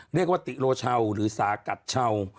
เรียกว่าติโลชาวหรือสากัดชาว